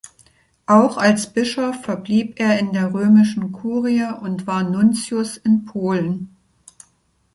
Auch als Bischof verblieb er in der römischen Kurie und war Nuntius in Polen.